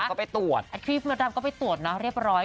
ก็ไปตรวจครีบมดดำก็ไปตรวจเนอะเรียบร้อย